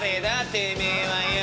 てめえはよう」。